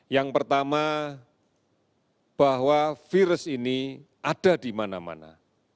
yang pertama bahwa virus ini ada di mana mana